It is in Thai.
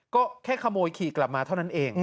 ก็แค่ขโมยขี่กลับมาเท่านั้นเอง